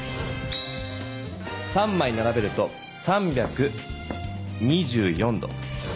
３まいならべると３２４度。